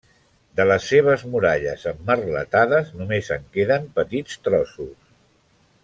De les seves muralles emmerletades, només en queden petits trossos.